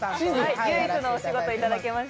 唯一のお仕事いただけました。